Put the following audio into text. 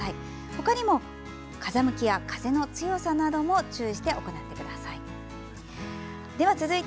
他にも風向きや風の強さなども注意して行ってください。